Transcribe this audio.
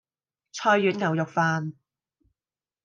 菜遠牛肉飯